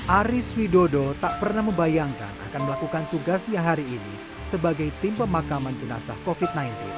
aris widodo tak pernah membayangkan akan melakukan tugasnya hari ini sebagai tim pemakaman jenazah covid sembilan belas